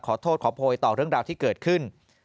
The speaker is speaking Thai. ขอโทษขอโพยต่อเรื่องราวที่เกิดขึ้น